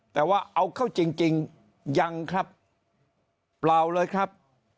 แต่ว่าเอาเข้าจริงยังครับเปล่าเลยครับ